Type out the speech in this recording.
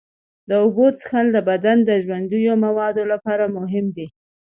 د اوبو څښل د بدن د ژوندیو موادو لپاره مهم دي.